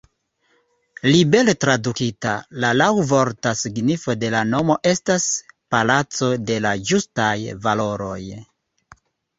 Libere tradukita, la laŭvorta signifo de la nomo estas: "Palaco de la Ĝustaj Valoroj".